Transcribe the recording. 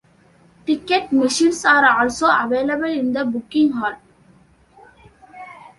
Ticket machines are also available in the booking hall.